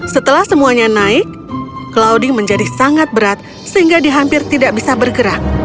setelah semuanya naik clouding menjadi sangat berat sehingga di hampir tidak bisa bergerak